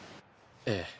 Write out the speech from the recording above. ええ。